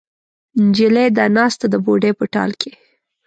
نجلۍ ده ناسته د بوډۍ په ټال کې